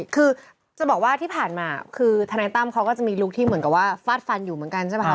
คือจะบอกว่าที่ผ่านมาคือธนายตั้มเขาก็จะมีลุคที่เหมือนกับว่าฟาดฟันอยู่เหมือนกันใช่ไหมครับ